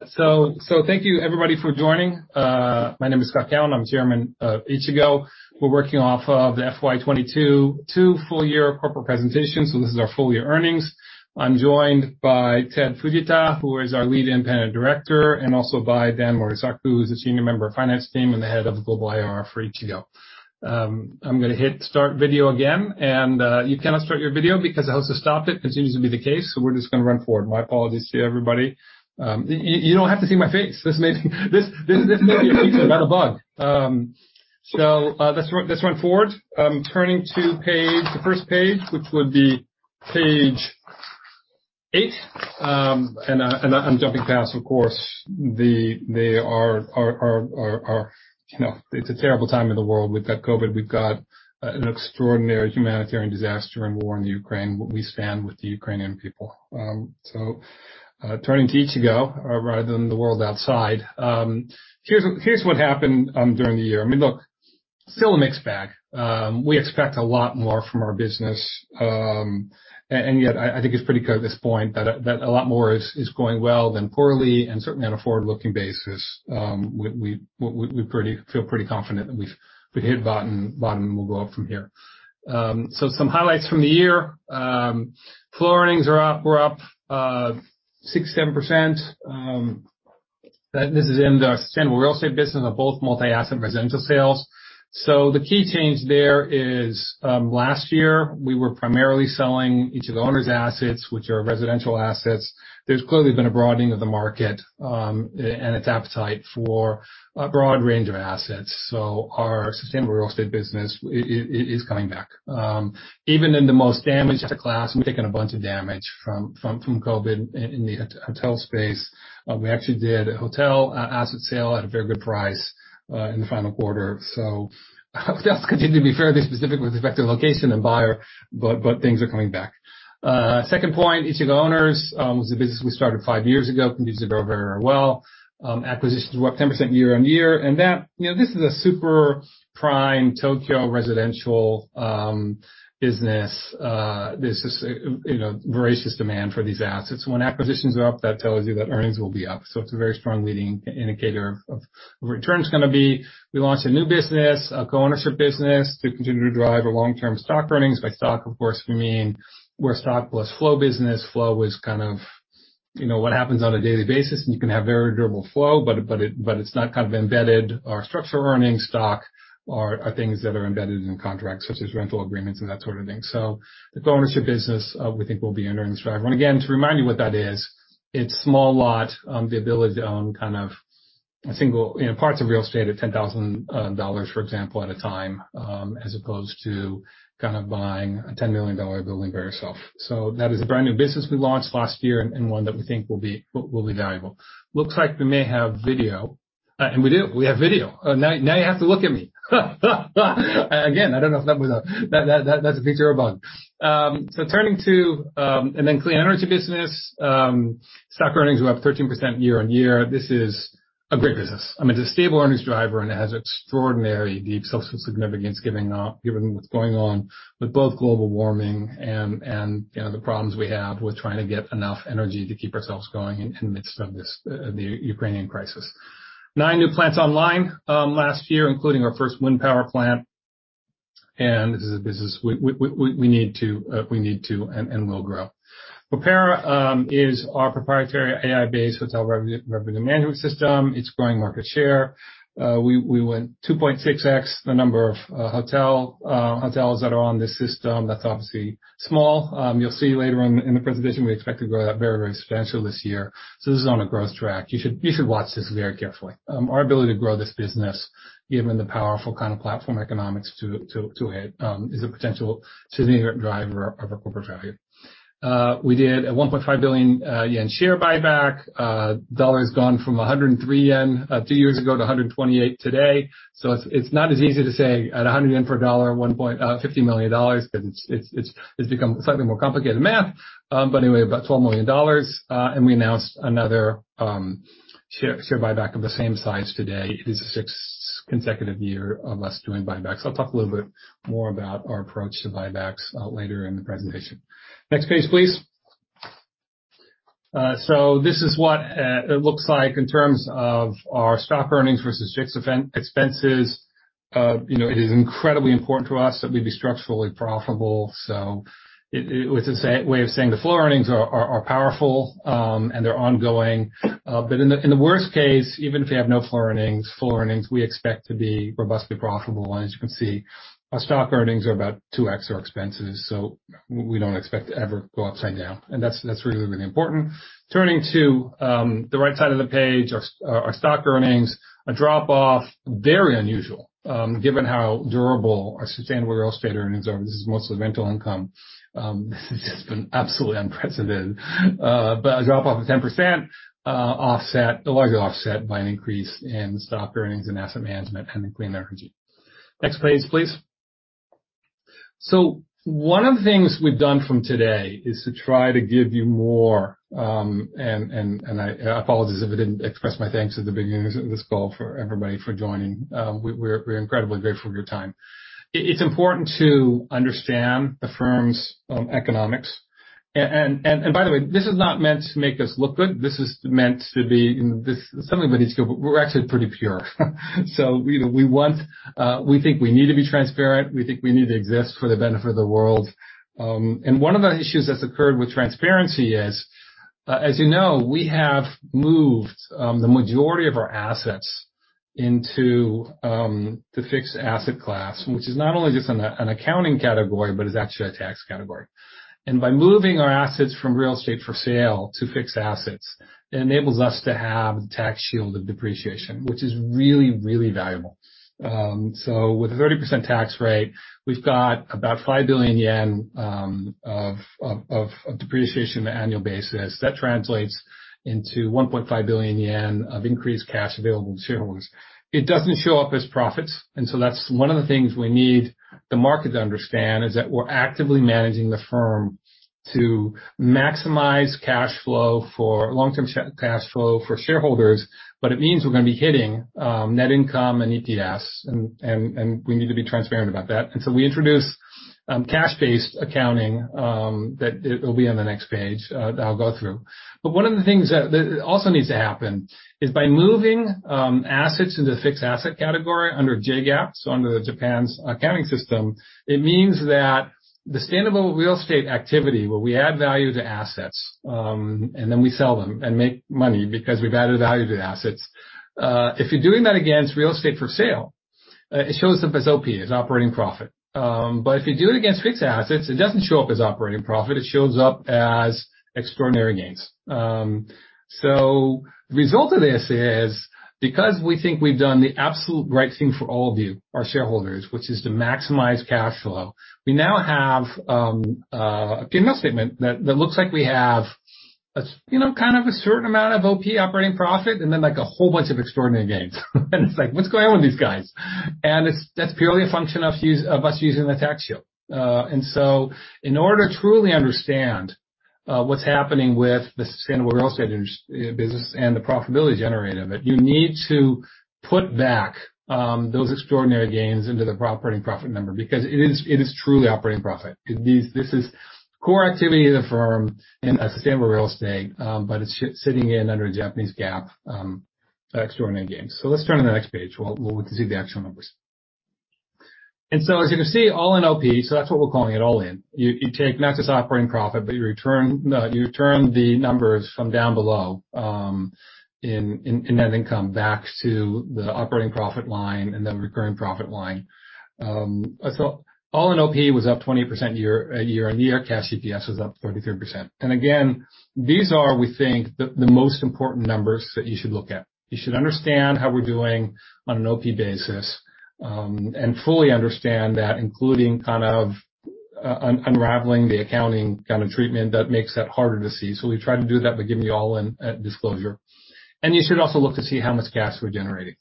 Thank you everybody for joining. My name is Scott Callon. I'm Chairman of Ichigo. We're working off of the FY 2022 Full Year Corporate Presentation, so this is our full year earnings. I'm joined by Tet Fujita, who is our Lead Independent Director, and also by Dan Morisaku, who is a senior member of finance team and the Head of Global IR for Ichigo. I'm gonna hit start video again, and you cannot start your video because I also stopped it. It continues to be the case. We're just gonna run forward. My apologies to everybody. You don't have to see my face. This may be a feature, not a bug. Let's run forward. Turning to the first page, which would be page eight. I'm jumping past, of course, there are, you know. It's a terrible time in the world with that COVID. We've got an extraordinary humanitarian disaster and war in the Ukraine. We stand with the Ukrainian people. Turning to Ichigo rather than the world outside. Here's what happened during the year. I mean, look, still a mixed bag. We expect a lot more from our business. Yet, I think it's pretty clear at this point that a lot more is going well than poorly, and certainly on a forward-looking basis. We feel pretty confident that we've hit bottom. We'll go up from here. Some highlights from the year. Core earnings are up. We're up 6%-7%. This is in the Sustainable Real Estate business of both multi-asset residential sales. The key change there is, last year we were primarily selling each of the owner's assets, which are residential assets. There's clearly been a broadening of the market, and its appetite for a broad range of assets. Our Sustainable Real Estate business is coming back. Even in the most damaged asset class, we've taken a bunch of damage from COVID in the hotel space. We actually did a hotel asset sale at a very good price in the final quarter. I'll just continue to be fairly specific with respect to location and buyer, but things are coming back. Second point, Ichigo Owners was a business we started five years ago. think it's doing very, very well. Acquisitions were up 10% year-on-year. That, you know, this is a super prime Tokyo residential business. There's just a, you know, voracious demand for these assets. When acquisitions are up, that tells you that earnings will be up, so it's a very strong leading indicator of return's gonna be. We launched a new business, a co-ownership business to continue to drive our long-term stock earnings. By stock, of course, we mean we're a stock plus flow business. Flow is kind of, you know, what happens on a daily basis, and you can have very durable flow, but it's not kind of embedded. Our structural earnings stock are things that are embedded in contracts such as rental agreements and that sort of thing. The co-ownership business we think will be an earnings driver. Again, to remind you what that is, it's small lot, the ability to own kind of a single, you know, parts of real estate at $10,000, for example, at a time, as opposed to kind of buying a $10 million building by yourself. That is a brand new business we launched last year and one that we think will be valuable. Looks like we may have video. We do. We have video. Now you have to look at me. Again, I don't know if that was a feature or a bug. Turning to and then Clean Energy business. Stock earnings were up 13% year-on-year. This is a great business. I mean, it's a stable earnings driver, and it has extraordinary deep social significance given what's going on with both global warming and, you know, the problems we have with trying to get enough energy to keep ourselves going in midst of this, the Ukrainian crisis. Nine new plants online last year, including our first wind power plant, and this is a business we need to and will grow. PROPERA is our proprietary AI-based hotel revenue management system. It's growing market share. We went 2.6x the number of hotels that are on this system. That's obviously small. You'll see later on in the presentation, we expect to grow that very, very substantially this year. This is on a growth track. You should watch this very carefully. Our ability to grow this business, given the powerful kind of platform economics to it, is a potential significant driver of our corporate value. We did a 1.5 billion yen share buyback. The dollar's gone from 103 yen two years ago to 128 today. It's not as easy to say at 100 yen per dollar, $15 million, 'cause it's become slightly more complicated math. Anyway, about $12 million. We announced another share buyback of the same size today. It is the sixth consecutive year of us doing buybacks. I'll talk a little bit more about our approach to buybacks later in the presentation. Next page, please. This is what it looks like in terms of our stock earnings versus G&A expenses. You know, it is incredibly important to us that we be structurally profitable. It is a way of saying the floor earnings are powerful, and they're ongoing. But in the worst case, even if we have no floor earnings, we expect to be robustly profitable. As you can see, our stock earnings are about 2x our expenses, so we don't expect to ever go upside down. That's really important. Turning to the right side of the page, our stock earnings drop off, very unusual, given how durable our Sustainable Real Estate earnings are. This is mostly rental income. This has been absolutely unprecedented. A drop off of 10%, largely offset by an increase in stock earnings and asset management and in Clean Energy. Next please. One of the things we've done from today is to try to give you more, and I apologize if I didn't express my thanks at the beginning of this call for everybody for joining. We're incredibly grateful for your time. It's important to understand the firm's economics. By the way, this is not meant to make us look good. This is meant to be this. Some of you might need to go, but we're actually pretty pure. You know, we want. We think we need to be transparent. We think we need to exist for the benefit of the world. One of the issues that's occurred with transparency is, as you know, we have moved the majority of our assets into the fixed asset class, which is not only just an accounting category, but is actually a tax category. By moving our assets from real estate for sale to fixed assets, it enables us to have the tax shield of depreciation, which is really, really valuable. With a 30% tax rate, we've got about 5 billion yen of depreciation on an annual basis. That translates into 1.5 billion yen of increased cash available to shareholders. It doesn't show up as profits, and so that's one of the things we need the market to understand is that we're actively managing the firm to maximize cash flow for long-term cash flow for shareholders, but it means we're gonna be hitting net income and EPS, and we need to be transparent about that. We introduced cash-based accounting that it will be on the next page that I'll go through. One of the things that also needs to happen is by moving assets into the fixed asset category under JGAAP, so under Japan's accounting system, it means that the Sustainable Real Estate activity where we add value to assets, and then we sell them and make money because we've added value to the assets. If you're doing that against real estate for sale, it shows up as OP, as operating profit. But if you do it against fixed assets, it doesn't show up as operating profit. It shows up as extraordinary gains. The result of this is because we think we've done the absolute right thing for all of you, our shareholders, which is to maximize cash flow. We now have a P&L statement that looks like we have a certain amount of OP, operating profit, and then like a whole bunch of extraordinary gains. It's like, "What's going on with these guys?" That's purely a function of us using the tax shield. In order to truly understand what's happening with the Sustainable Real Estate business and the profitability generated, you need to put back those extraordinary gains into the pro forma operating profit number because it is truly operating profit. This is core activity of the firm in a Sustainable Real Estate, but it's sitting in under Japanese GAAP extraordinary gains. Let's turn to the next page. We'll see the actual numbers. As you can see, all-in OP, that's what we're calling it all-in. You take not just operating profit, but you return the numbers from down below in net income back to the operating profit line and then recurring profit line. All-in OP was up 20% year-on-year, and cash EPS was up 33%. Again, these are, we think, the most important numbers that you should look at. You should understand how we're doing on an OP basis and fully understand that including kind of unraveling the accounting kind of treatment that makes that harder to see. We try to do that by giving you all-in disclosure. You should also look to see how much cash we're generating.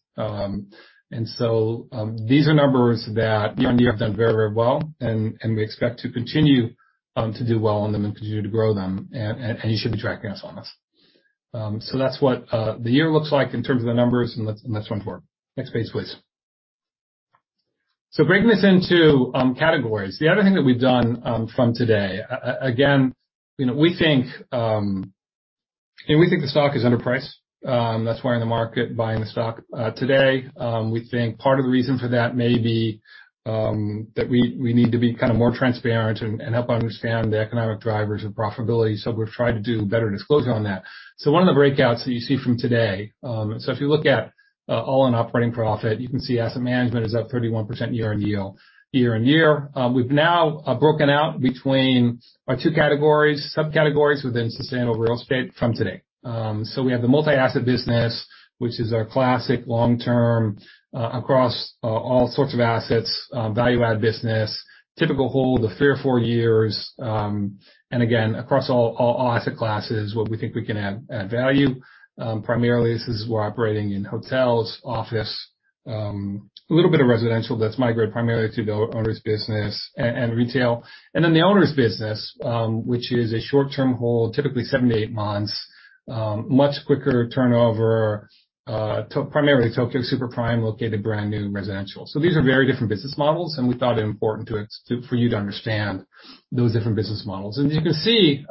These are numbers that year-on-year have done very well, and we expect to continue to do well on them and continue to grow them. You should be tracking us on this. That's what the year looks like in terms of the numbers. Let's move forward. Next page, please. Breaking this into categories. The other thing that we've done from today, again, you know, we think the stock is underpriced. That's why we're in the market buying the stock. Today, we think part of the reason for that may be that we need to be kind of more transparent and help understand the economic drivers of profitability. We've tried to do better disclosure on that. One of the breakouts that you see from today, so if you look at all-in operating profit, you can see asset management is up 31% year-over-year. We've now broken out between our two categories, subcategories within Sustainable Real Estate from today. We have the multi-asset business, which is our classic long-term across all sorts of assets value add business. Typical hold of three or four years. Again, across all asset classes where we think we can add value. Primarily this is we're operating in hotels, ffice, a little bit of residential that's migrated primarily to the owner's business and retail. The owner's business, which is a short-term hold, typically seven to eight months, much quicker turnover, primarily Tokyo super prime located brand new residential. These are very different business models, and we thought it important for you to understand those different business models. As you can see,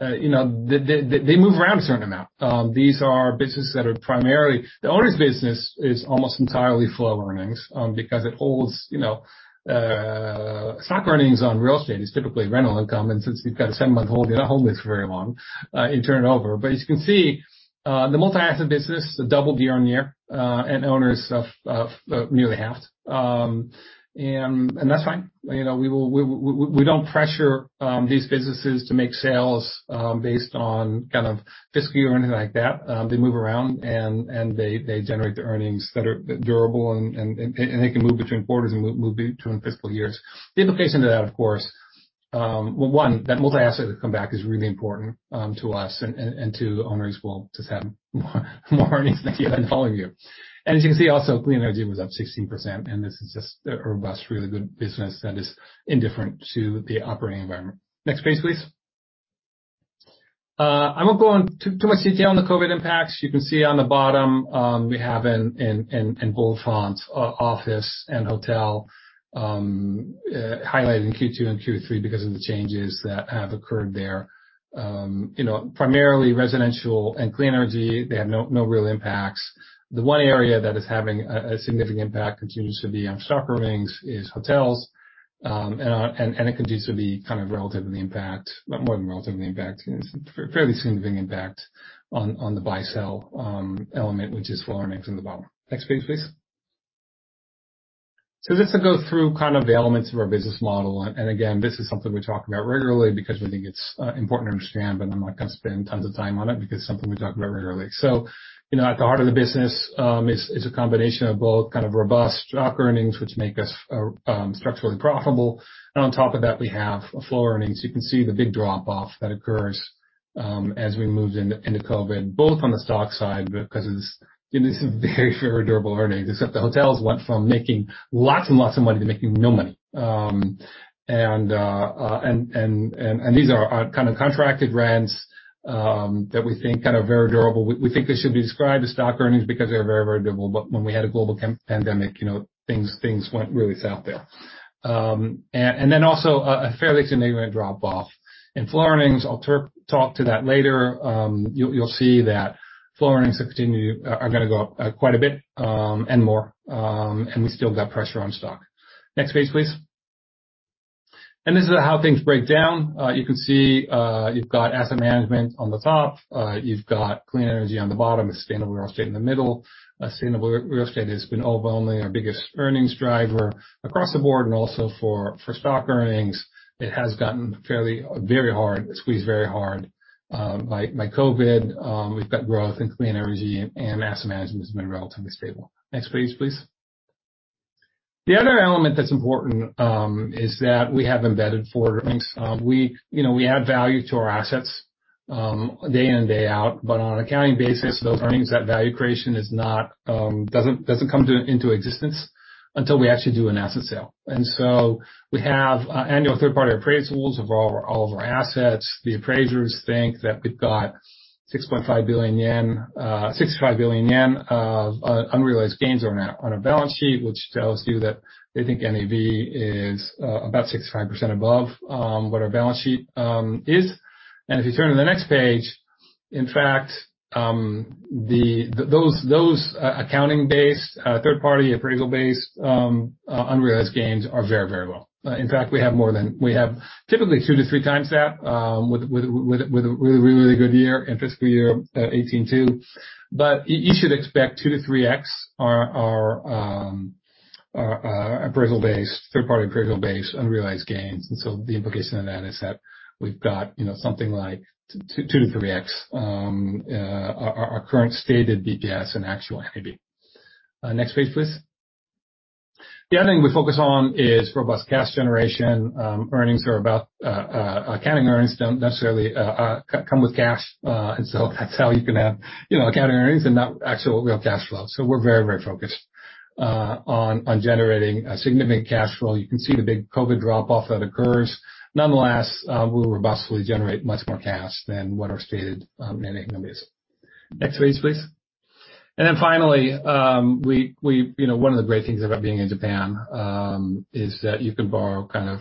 you know, they move around a certain amount. These are businesses that are primarily... The Ichigo Owners business is almost entirely full of earnings because it holds, you know, stock. Earnings on real estate is typically rental income. Since you've got a seven-month hold, you don't hold it for very long and turn it over. As you can see, the multi-asset business is double year-over-year and Ichigo Owners of nearly half. That's fine. You know, we don't pressure these businesses to make sales based on kind of fiscal year or anything like that. They move around and they generate the earnings that are durable and they can move between quarters and move between fiscal years. The implication to that, of course, well, one, that multi-asset comeback is really important, to us and to Owners will just have more earnings next year than the following year. As you can see also, Clean Energy was up 16%, and this is just a robust, really good business that is indifferent to the operating environment. Next page, please. I won't go into too much detail on the COVID impacts. You can see on the bottom, we have in bold font, Office and Hotel, highlighted in Q2 and Q3 because of the changes that have occurred there. You know, primarily residential and Clean Energy, they had no real impacts. The one area that is having a significant impact continues to be on stock earnings is hotels, and it continues to be kind of more than relatively impacted. It's fairly significant impact on the buy-sell element, which is full earnings on the bottom. Next page, please. Just to go through kind of the elements of our business model, and again, this is something we talk about regularly because we think it's important to understand, but I'm not gonna spend tons of time on it because it's something we talk about regularly. You know, at the heart of the business is a combination of both kind of robust stock earnings, which make us structurally profitable. On top of that, we have full earnings. You can see the big drop-off that occurs as we moved into COVID, both on the core side because it's, you know, some very, very durable earnings, except the hotels went from making lots and lots of money to making no money. These are kind of contracted rents that we think are kind of very durable. We think they should be described as core earnings because they're very, very durable. When we had a global pandemic, you know, things went really south there, and then also a fairly significant drop off in full earnings. I'll talk to that later. You'll see that full earnings are gonna go up quite a bit, and more, and we still got pressure on core. Next page, please. This is how things break down. You can see you've got asset management on the top. You've got Clean Energy on the bottom, Sustainable Real Estate in the middle. Sustainable Real Estate has been overwhelmingly our biggest earnings driver across the board and also for stock earnings. It has gotten fairly very hard squeezed very hard by COVID. We've got growth in Clean Energy and asset management has been relatively stable. Next page, please. The other element that's important is that we have embedded forward earnings. We, you know, add value to our assets day in and day out. On an accounting basis, those earnings, that value creation is not doesn't come into existence until we actually do an asset sale. We have annual third-party appraisals of all of our assets. The appraisers think that we've got 65 billion yen of unrealized gains on our balance sheet, which tells you that they think NAV is about 65% above what our balance sheet is. If you turn to the next page, in fact, those accounting-based third-party appraisal-based unrealized gains are very low. In fact, we have typically two to three times that with a really good year in fiscal year 18-2. You should expect 2x-3x our appraisal-based third-party appraisal-based unrealized gains. The implication of that is that we've got, you know, something like 2x-3x our current stated BPS and actual NAV. Next page, please. The other thing we focus on is robust cash generation. Accounting earnings don't necessarily come with cash. That's how you can have, you know, accounting earnings and not actual real cash flow. We're very focused on generating a significant cash flow. You can see the big COVID drop-off that occurs. Nonetheless, we'll robustly generate much more cash than what our stated net income is. Next page, please. Finally, you know, one of the great things about being in Japan is that you can borrow kind of,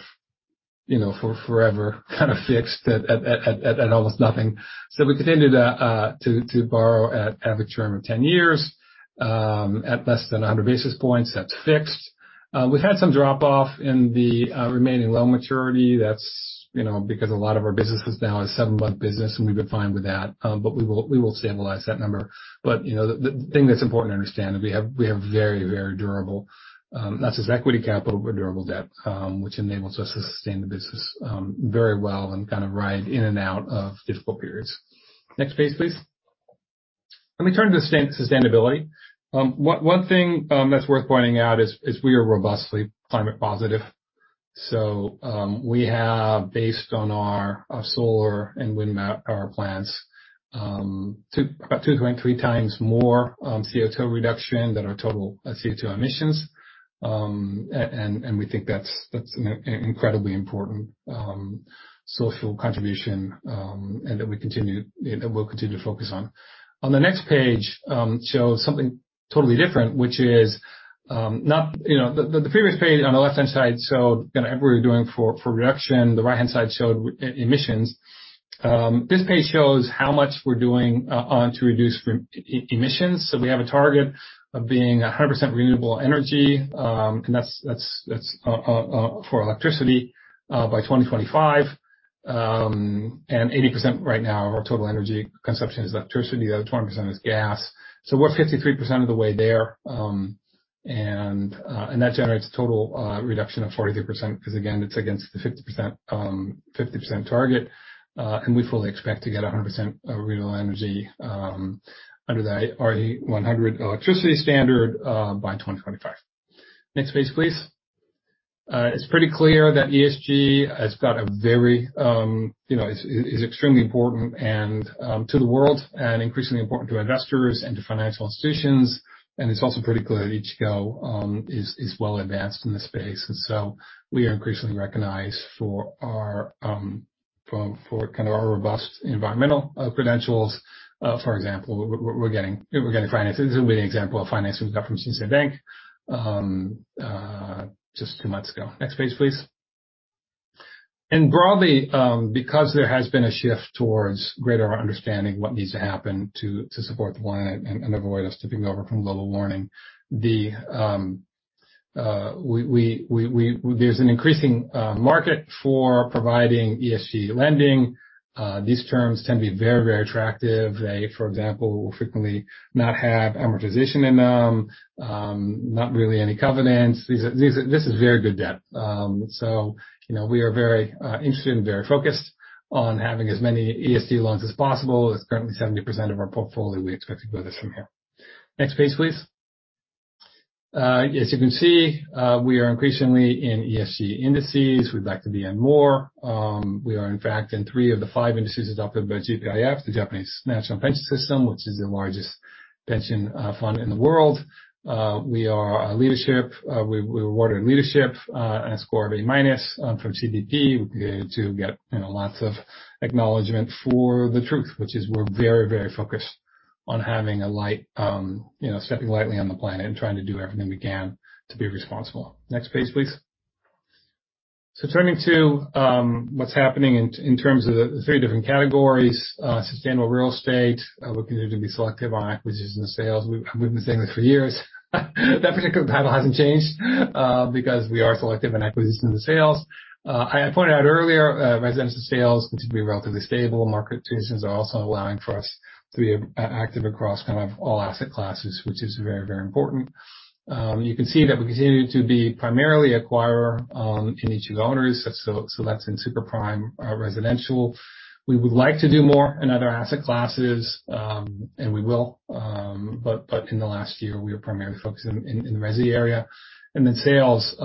you know, for forever, kind of fixed at almost nothing. We continue to borrow at average term of 10 years at less than 100 basis points. That's fixed. We've had some drop off in the remaining loan maturity. That's, you know, because a lot of our business is now a seven-month business and we've been fine with that. We will stabilize that number. You know, the thing that's important to understand is we have very durable, not just equity capital, but durable debt, which enables us to sustain the business very well and kind of ride in and out of difficult periods. Next page, please. Let me turn to sustainability. One thing that's worth pointing out is we are robustly climate positive. We have based on our solar and wind map power plants about 2.3x more CO2 reduction than our total CO2 emissions. And we think that's an incredibly important social contribution, and that we continue, and we'll continue to focus on. On the next page shows something totally different, which is not. You know, the previous page on the left-hand side showed, you know, everything we're doing for reduction. The right-hand side showed emissions. This page shows how much we're doing on to reduce emissions. We have a target of being 100% renewable energy, and that's for electricity by 2025. And 80% right now of our total energy consumption is electricity, the other 20% is gas. We're 53% of the way there, and that generates a total reduction of 43% because, again, it's against the 50% target. And we fully expect to get 100% renewable energy under the RE100 electricity standard by 2025. Next page, please. It's pretty clear that ESG is extremely important to the world and increasingly important to investors and to financial institutions. It's also pretty clear that Ichigo is well advanced in this space. We are increasingly recognized for our kind of robust environmental credentials. For example, we're getting financing. This will be an example of financing we got from Shinsei Bank just two months ago. Next page, please. Broadly, because there has been a shift towards greater understanding what needs to happen to support the planet and avoid us tipping over from global warming, there's an increasing market for providing ESG lending. These terms tend to be very attractive. They, for example, will frequently not have amortization in them, not really any covenants. This is very good debt. You know, we are very interested and very focused on having as many ESG loans as possible. It's currently 70% of our portfolio. We expect to grow this from here. Next page, please. As you can see, we are increasingly in ESG indices. We'd like to be in more. We are in fact in three of the five indices adopted by GPIF, the Government Pension Investment Fund, which is the largest pension fund in the world. We were awarded leadership and a score of A- from CDP. We continue to get, you know, lots of acknowledgement for the truth, which is we're very, very focused on having a light, stepping lightly on the planet and trying to do everything we can to be responsible. Next page, please. Turning to what's happening in terms of the three different categories. Sustainable Real Estate. Looking to be selective on acquisitions and sales. We've been saying this for years. That particular title hasn't changed because we are selective in acquisitions and sales. I had pointed out earlier, residential sales continue to be relatively stable. Market conditions are also allowing for us to be active across kind of all asset classes, which is very, very important. You can see that we continue to be primarily acquirer in Ichigo Owners. That's in super prime residential. We would like to do more in other asset classes, and we will. In the last year, we are primarily focused in the resi area. Sales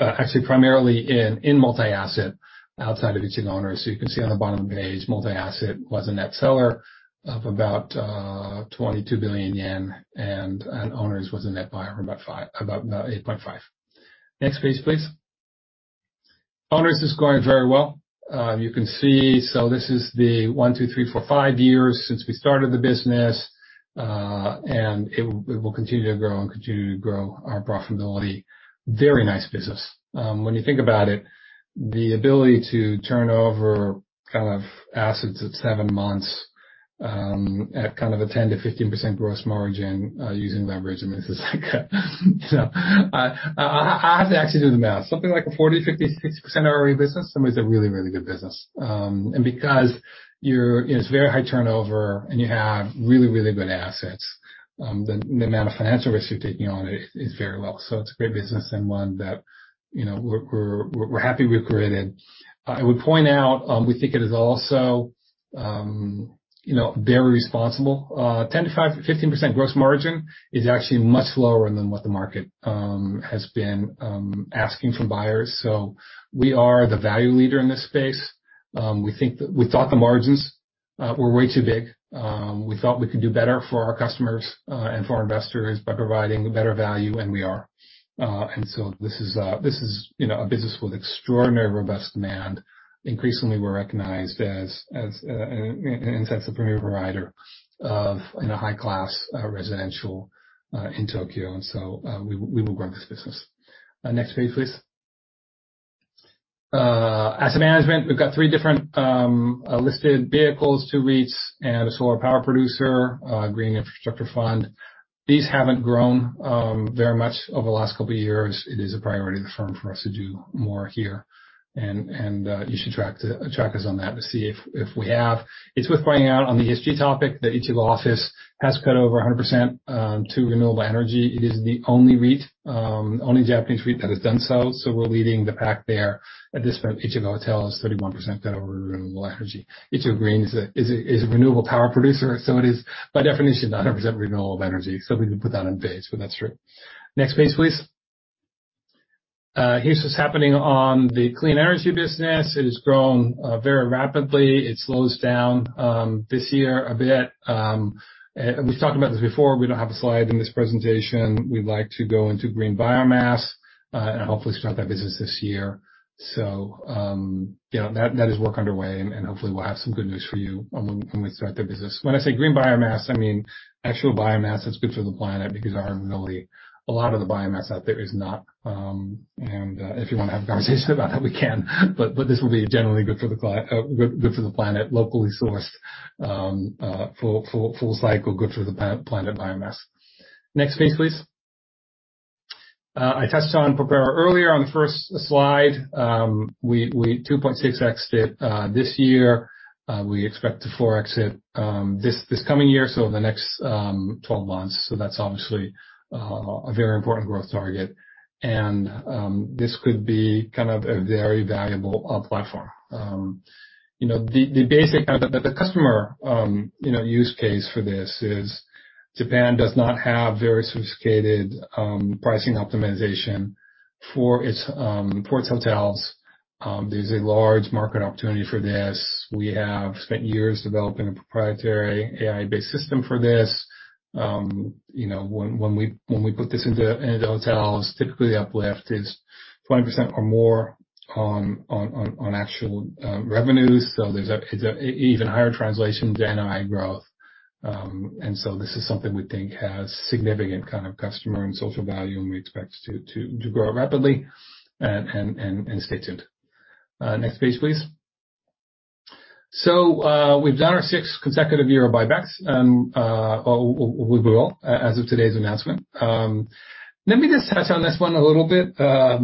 actually primarily in multi-asset outside of Ichigo Owners. You can see on the bottom of the page, multi-asset was a net seller of about 22 billion yen, and Owners was a net buyer of about 8.5 billion. Next page, please. Owners is going very well. You can see this is the one, two, three, four, five years since we started the business. It will continue to grow our profitability. Very nice business. When you think about it, the ability to turn over kind of assets at seven months, at kind of a 10%-15% gross margin, using leverage. I mean, this is like, so, I have to actually do the math. Something like a 40%, 50%, 60% ROE business, sometimes a really good business. Because you're, you know, it's very high turnover and you have really good assets, the amount of financial risk you're taking on is very low. It's a great business and one that, you know, we're happy we've created. I would point out, we think it is also, you know, very responsible. 10%-15% gross margin is actually much lower than what the market has been asking from buyers. We are the value leader in this space. We thought the margins were way too big. We thought we could do better for our customers and for our investors by providing better value, and we are. This is, you know, a business with extraordinarily robust demand. Increasingly, we're recognized as in a sense the premier provider of, you know, high class residential in Tokyo. We will grow this business. Next page, please. Asset management, we've got three different listed vehicles, two REITs and a solar power producer green infrastructure fund. These haven't grown very much over the last couple years. It is a priority of the firm for us to do more here. You should track us on that to see if we have. It's worth pointing out on the ESG topic that Ichigo Office has cut over 100% to renewable energy. It is the only REIT, only Japanese REIT that has done so. We're leading the pack there. At this point, Ichigo Hotel is 31% done over renewable energy. Ichigo Green is a renewable power producer, so it is by definition 100% renewable energy. We can put that on page, but that's true. Next page, please. Here's what's happening on the clean energy business. It has grown very rapidly. It slows down this year a bit. We've talked about this before. We don't have a slide in this presentation. We'd like to go into green biomass, and hopefully start that business this year. That is work underway, and hopefully we'll have some good news for you when we start that business. When I say green biomass, I mean actual biomass that's good for the planet, because a lot of the biomass out there is not. If you wanna have a conversation about that, we can. This will be generally good for the planet, locally sourced, full cycle, good for the planet biomass. Next page, please. I touched on PROPERA earlier on the first slide. We 2.6x this year. We expect to 4x this coming year, so in the next 12 months. That's obviously a very important growth target. This could be kind of a very valuable platform. You know, the basic kind of customer use case for this is Japan does not have very sophisticated pricing optimization for its hotels. There's a large market opportunity for this. We have spent years developing a proprietary AI-based system for this. You know, when we put this into hotels, typically uplift is 20% or more on actual revenues. There's an even higher translation than ROI growth. This is something we think has significant kind of customer and social value, and we expect to grow rapidly and stay tuned. Next page, please. We've done our sixth consecutive year of buybacks, and we will as of today's announcement. Let me just touch on this one a little bit. As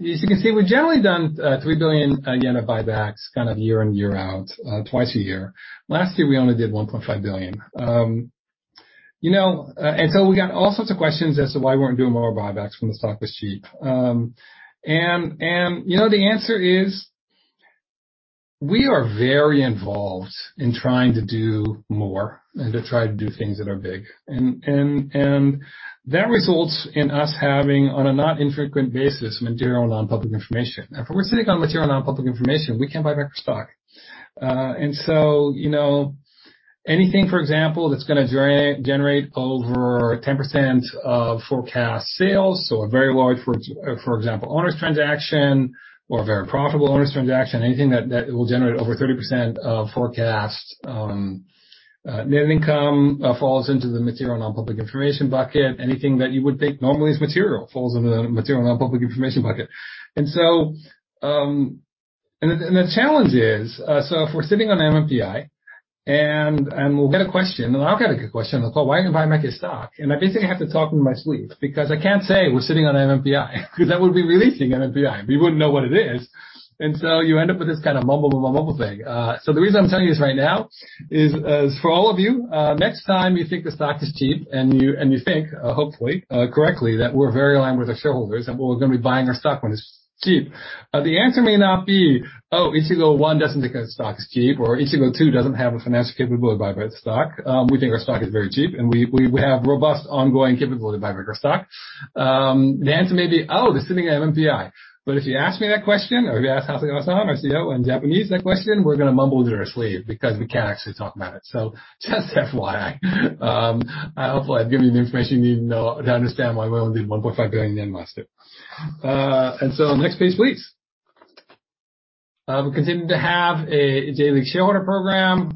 you can see, we've generally done 3 billion yen of buybacks kind of year in, year out, twice a year. Last year, we only did 1.5 billion. We got all sorts of questions as to why we weren't doing more buybacks when the stock was cheap. The answer is we are very involved in trying to do more and to try to do things that are big. That results in us having, on a not infrequent basis, material non-public information. If we're sitting on material non-public information, we can't buy back our stock. You know, anything, for example, that's gonna generate over 10% of forecast sales, so a very large, for example, Owners transaction or a very profitable Owners transaction, anything that will generate over 30% of forecast net income falls into the Material Non-Public Information bucket. Anything that you would think normally is material falls into the Material Non-Public Information bucket. The challenge is, so if we're sitting on MNPI and we'll get a question, and I'll get a good question. They'll go, "Why don't you buy back your stock?" I basically have to talk in my sleep because I can't say we're sitting on MNPI because that would be releasing MNPI, and we wouldn't know what it is. You end up with this kind of mumble, mumble thing. The reason I'm telling you this right now is for all of you, next time you think the stock is cheap and you think, hopefully correctly, that we're very aligned with our shareholders and we're gonna be buying our stock when it's cheap, the answer may not be, oh, Ichigo one doesn't think our stock is cheap, or Ichigo two doesn't have a financial capability to buy back stock. We think our stock is very cheap, and we have robust ongoing capability to buy back our stock. The answer may be, oh, they're sitting on MNPI. If you ask me that question or if you ask Takuma Hasegawa, our CEO, in Japanese that question, we're gonna mumble into our sleeve because we can't actually talk about it. Just FYI. Hopefully I've given you the information you need to know to understand why we only did 1.5 billion last year. Next page, please. We continue to have a J.League shareholder program.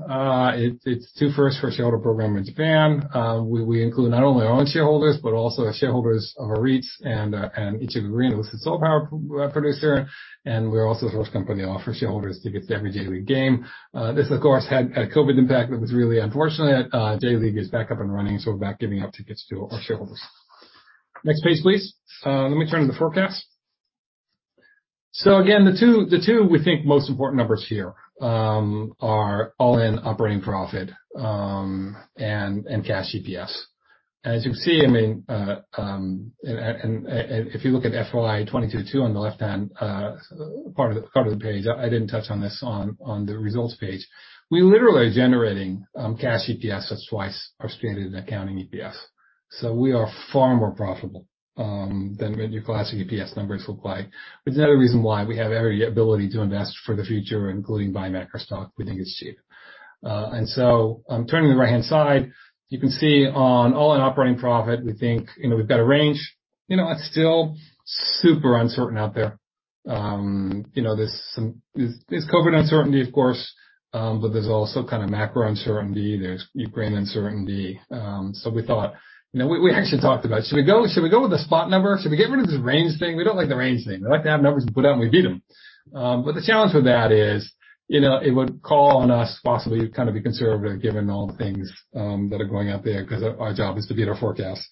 It's the first shareholder program in Japan. We include not only our own shareholders, but also shareholders of our REITs and Ichigo Green, which is a solar power producer, and we're also the first company to offer shareholders tickets to every J.League game. This of course had a COVID impact that was really unfortunate. J.League is back up and running, so we're back giving out tickets to our shareholders. Next page, please. Let me turn to the forecast. Again, the two we think most important numbers here are all-in operating profit and cash EPS. As you can see, I mean, and if you look at FY 2022 on the left-hand part of the page, I didn't touch on this on the results page. We literally are generating cash EPS that's twice our stated accounting EPS. We are far more profitable than what your classic EPS numbers look like. It's another reason why we have every ability to invest for the future, including buying back our stock. We think it's cheap. I'm turning to the right-hand side. You can see on all-in operating profit, we think, you know, we've got a range. You know, it's still super uncertain out there. You know, there's COVID uncertainty of course, but there's also kind of macro uncertainty. There's Ukraine uncertainty. We thought, you know, we actually talked about should we go with the spot number? Should we get rid of this range thing? We don't like the range thing. We like to have numbers put out and we beat them. The challenge with that is, you know, it would call on us possibly to kind of be conservative given all the things that are going out there because our job is to beat our forecast.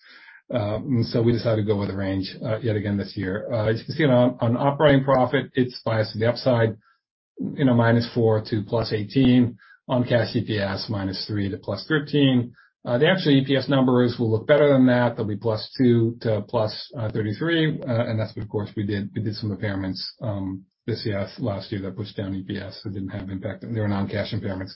We decided to go with the range yet again this year. As you can see on operating profit, it's biased to the upside, you know, -4% to +18%. On cash EPS, -3% to +13%. The actual EPS numbers will look better than that. They'll be +2% to +33%. That's but of course we did some impairments this year, last year, that pushed down EPS. That didn't have impact. They were non-cash impairments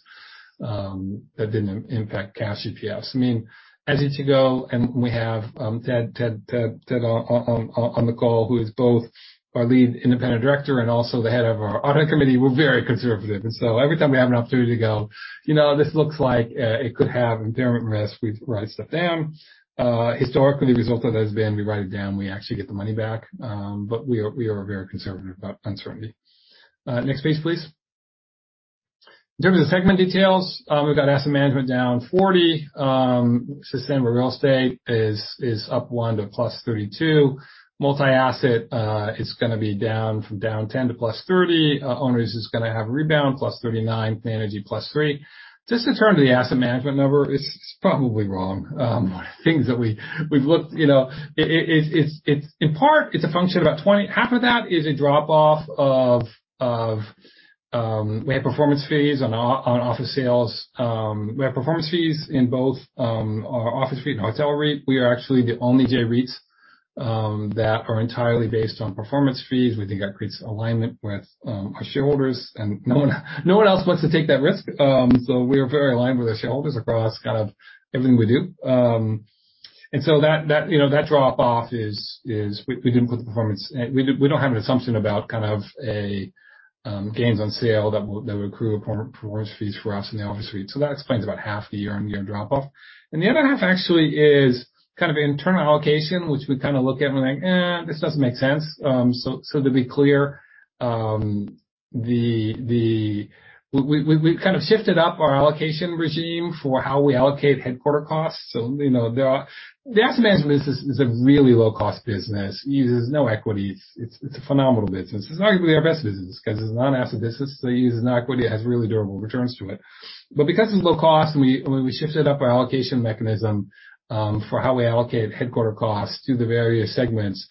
that didn't impact cash EPS. I mean, as Ichigo and we have Ted on the call, who is both our Lead Independent Director and also the head of our audit committee, we're very conservative. Every time we have an opportunity to go, you know, this looks like it could have impairment risk, we write stuff down. Historically, the result of that has been we write it down, we actually get the money back. We are very conservative about uncertainty. Next page please. In terms of segment details, we've got Asset Management down 40%. Sustainable Real Estate is up 1% to +32%. Multi-Asset, it's gonna be down from -10% to +30%. Owners is gonna have a rebound, +39%. Clean Energy +3%. Just to turn to the Asset Management number, it's probably wrong. Things that we've looked, you know, it's in part a function of about 20%. Half of that is a drop-off of performance fees on office sales. We have performance fees in both our Office REIT and Hotel REIT. We are actually the only J-REITs that are entirely based on performance fees. We think that creates alignment with our shareholders, and no one else wants to take that risk. We are very aligned with our shareholders across kind of everything we do. That drop off is we didn't put the performance. We don't have an assumption about kind of a gains on sale that will accrue performance fees for us in the office REIT. That explains about half the year-on-year drop off. The other half actually is kind of internal allocation, which we kind of look at and we're like, "Eh, this doesn't make sense." To be clear, we've kind of shifted up our allocation regime for how we allocate headquarters costs. You know, the asset management business is a really low-cost business. Uses no equity. It's a phenomenal business. It's arguably our best business because it's a non-asset business, so it uses no equity. It has really durable returns to it. Because it's low cost, and when we shifted up our allocation mechanism for how we allocate headquarters costs to the various segments,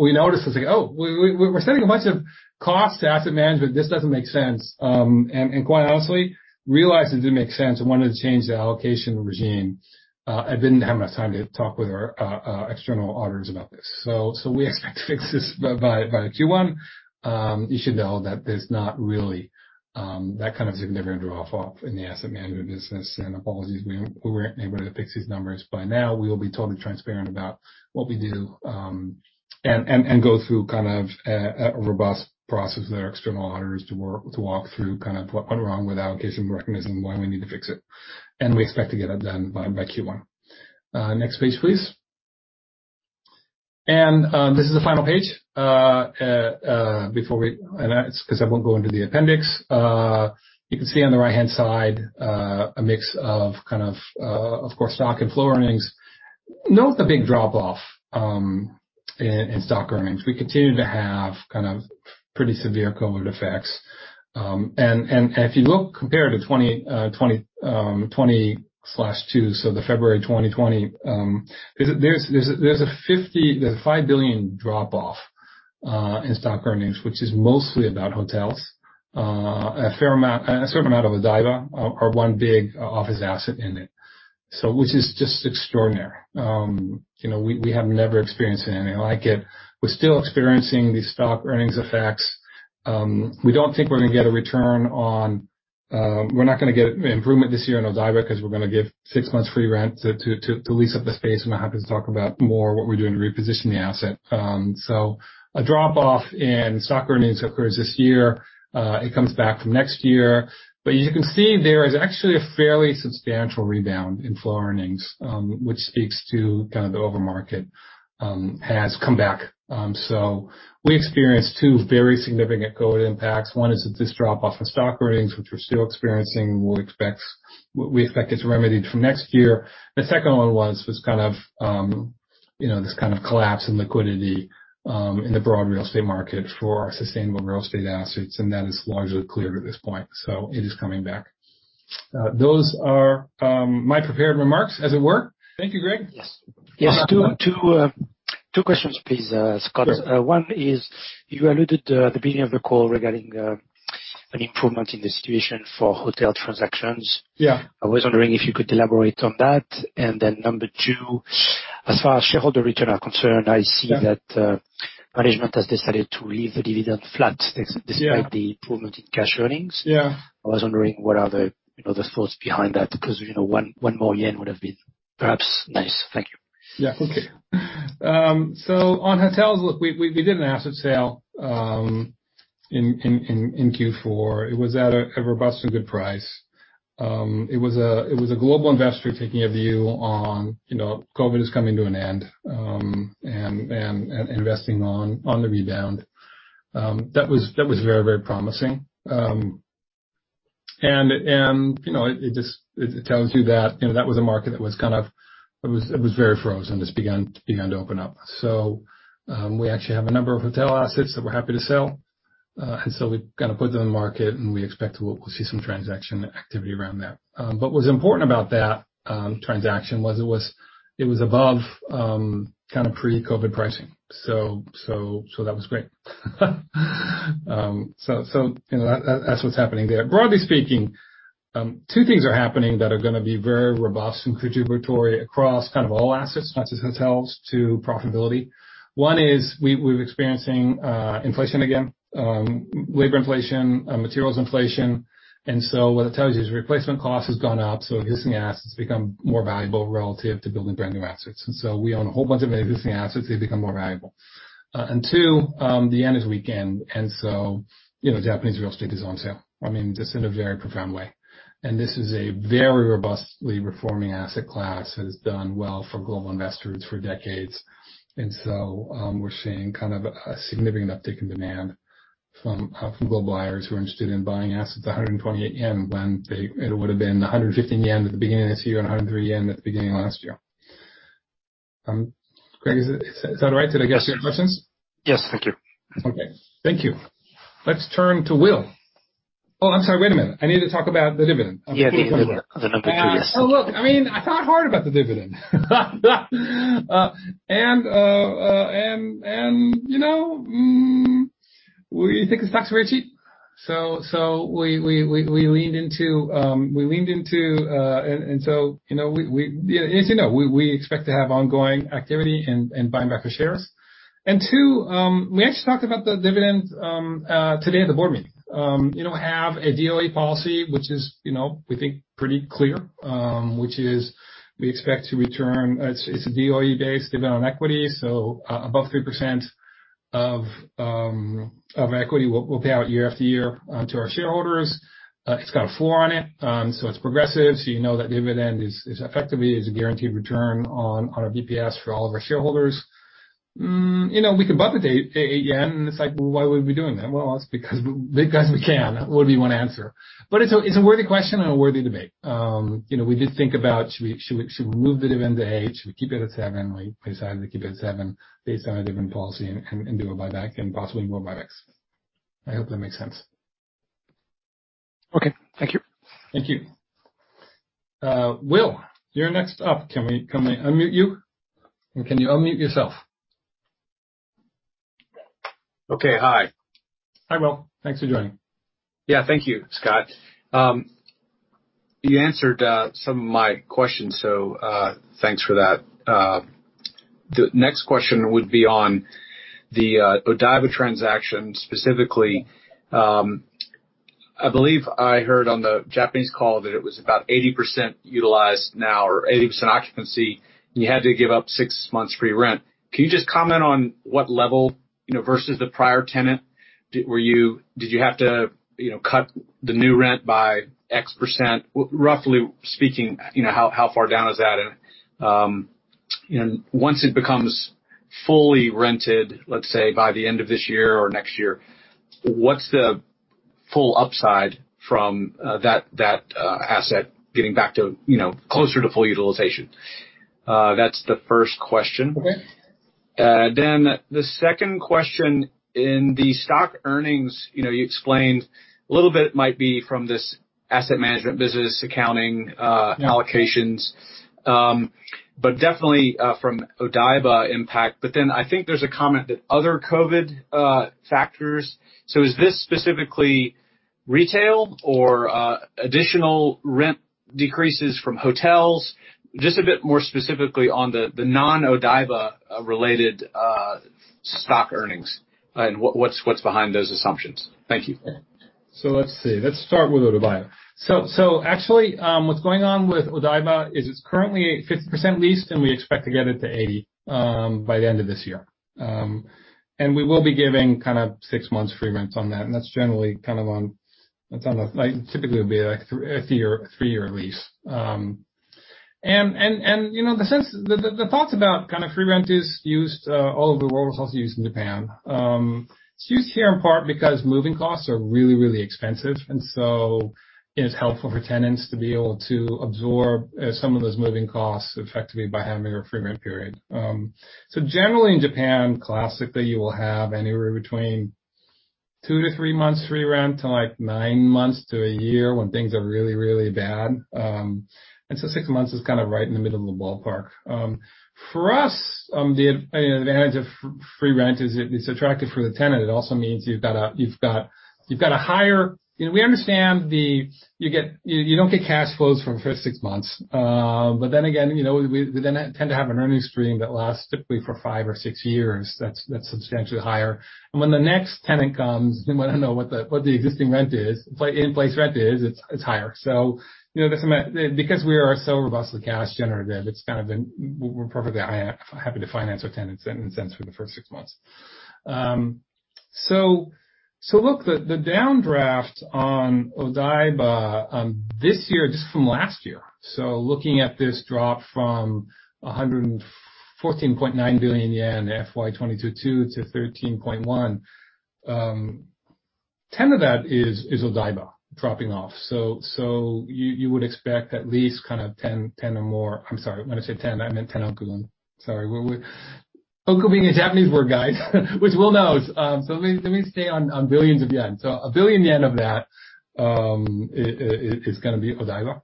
we noticed this thing. We're sending a bunch of costs to asset management. This doesn't make sense. Quite honestly, we realized it didn't make sense and wanted to change the allocation regime, and didn't have enough time to talk with our external auditors about this. We expect to fix this by Q1. You should know that there's not really that kind of significant drop off in the asset management business. Apologies, we weren't able to fix these numbers by now. We will be totally transparent about what we do, and go through a robust process with our external auditors to walk through what went wrong with our allocation mechanisms and why we need to fix it. We expect to get it done by Q1. Next page, please. This is the final page. That's 'cause I won't go into the appendix. You can see on the right-hand side, a mix of course, stock and flow earnings. Note the big drop off in stock earnings. We continue to have pretty severe COVID effects. If you look compared to 2022, so the February 2020, there's a 55 billion drop off in stock earnings, which is mostly about hotels. A fair amount of Odaiba, our one big office asset in it, which is just extraordinary. You know, we have never experienced anything like it. We're still experiencing these stock earnings effects. We're not gonna get improvement this year in Odaiba 'cause we're gonna give six months free rent to lease up the space. I'm happy to talk about more what we're doing to reposition the asset. A drop off in stock earnings occurs this year. It comes back next year. You can see there is actually a fairly substantial rebound in core earnings, which speaks to kind of the overall market has come back. We experienced two very significant COVID impacts. One is this drop off in core earnings, which we're still experiencing. We expect it to be remedied for next year. The second one was kind of, you know, this kind of collapse in liquidity, in the broad real estate market for our Sustainable Real Estate assets, and that is largely cleared at this point, so it is coming back. Those are my prepared remarks, as it were. Thank you, Greg. Yes. Yes. Two questions, please, Scott. Sure. One is you alluded at the beginning of the call regarding an improvement in the situation for hotel transactions. Yeah. I was wondering if you could elaborate on that. Number two, as far as shareholder return are concerned. Yeah. I see that management has decided to leave the dividend flat des- Yeah. Despite the improvement in cash earnings. Yeah. I was wondering what are the, you know, the thoughts behind that, because, you know, 1 more yen would have been perhaps nice. Thank you. On hotels, look, we did an asset sale in Q4. It was at a robust and good price. It was a global investor taking a view on, you know, COVID is coming to an end, and investing on the rebound. That was very promising. You know, it just tells you that, you know, that was a market that was kind of. It was very frozen, just begun to open up. We actually have a number of hotel assets that we're happy to sell. We've gotta put them in the market, and we expect we'll see some transaction activity around that. What's important about that transaction was it was above kind of pre-COVID pricing. That was great. You know, that's what's happening there. Broadly speaking, two things are happening that are gonna be very robust and contributory across kind of all assets, not just hotels, to profitability. One is we're experiencing inflation again, labor inflation, materials inflation. What it tells you is replacement cost has gone up, so existing assets become more valuable relative to building brand new assets. We own a whole bunch of existing assets, they become more valuable. Two, the yen has weakened. You know, Japanese real estate is on sale, I mean, just in a very profound way. This is a very robustly reforming asset class that has done well for global investors for decades. We're seeing a significant uptick in demand from global buyers who are interested in buying assets at 128 yen when it would've been 115 yen at the beginning of this year and 103 yen at the beginning of last year. Greg, is that all right? Did I get to your questions? Yes. Thank you. Okay. Thank you. Let's turn to Will. Oh, I'm sorry. Wait a minute. I need to talk about the dividend. Yeah. Please, yeah. The number please. Oh, look, I mean, I thought hard about the dividend. You know, we think the stock's very cheap. We leaned into. You know, we expect to have ongoing activity and buying back the shares. Too, we actually talked about the dividend today at the board meeting. You know, we have a ROE policy, which is, you know, we think pretty clear, which is we expect to return. It's a ROE-based dividend on equity, so above 3% of equity, we'll pay out year-after-year to our shareholders. It's got a floor on it, so it's progressive, so you know that dividend is effectively a guaranteed return on our BPS for all of our shareholders. You know, we could bump it 1 yen, and it's like, well, why would we be doing that? Well, it's because we can, would be one answer. But it's a worthy question and a worthy debate. You know, we did think about should we move the dividend to eight, should we keep it at seven? We decided to keep it at seven based on a dividend policy and do a buyback and possibly more buybacks. I hope that makes sense. Okay. Thank you. Thank you. Will, you're next up. Can we unmute you? Can you unmute yourself? Okay. Hi. Hi, Will. Thanks for joining. Yeah. Thank you, Scott. You answered some of my questions, so thanks for that. The next question would be on the Odaiba transaction specifically. I believe I heard on the Japanese call that it was about 80% utilized now or 80% occupancy, and you had to give up six months free rent. Can you just comment on what level, you know, versus the prior tenant? Did you have to, you know, cut the new rent by X%? Roughly speaking, you know, how far down is that? Once it becomes fully rented, let's say by the end of this year or next year, what's the full upside from that asset getting back to, you know, closer to full utilization? That's the first question. Okay. the second question, in the stock earnings, you know, you explained a little bit might be from this asset management business accounting Yeah. Allocations. Definitely from Odaiba impact. I think there's a comment that other COVID factors. Is this specifically retail or additional rent decreases from hotels? Just a bit more specifically on the non-Odaiba related stock earnings and what's behind those assumptions. Thank you. Let's see. Let's start with Odaiba. Actually, what's going on with Odaiba is it's currently at 50% leased, and we expect to get it to 80% by the end of this year. And we will be giving kind of six months free rent on that, and that's generally kind of on, that's on a, like, typically would be a three-year lease. And you know, the thoughts about kind of free rent is used all over the world. It's also used in Japan. It's used here in part because moving costs are really, really expensive, and so it's helpful for tenants to be able to absorb some of those moving costs effectively by having a free rent period. Generally in Japan, classically, you will have anywhere between two to three months free rent to, like, nine months to a year when things are really, really bad. Six months is kind of right in the middle of the ballpark. For us, you know, the advantage of free rent is it's attractive for the tenant. It also means you've got a higher. You know, we understand you don't get cash flows from the first six months. But then again, you know, we then tend to have an earning stream that lasts typically for five or six years that's substantially higher. When the next tenant comes, they wanna know what the existing rent is, in-place rent is. It's higher. Because we are so robustly cash generative, it's kind of been, we're perfectly happy to finance our tenants in a sense for the first 6 months. Look, the downdraft on Odaiba this year just from last year. Looking at this drop from 114.9 billion yen FY 2022 to 13.1 billion, 10 of that is Odaiba dropping off. You would expect at least kind of 10 or more. I'm sorry. When I said 10, I meant 10 oku. Sorry. Will, oku being a Japanese word, guys, which Will knows. Let me stay on billions of yen. 1 billion yen of that is gonna be Odaiba.